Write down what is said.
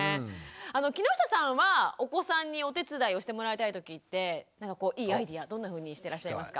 木下さんはお子さんにお手伝いをしてもらいたいときっていいアイデアどんなふうにしてらっしゃいますか？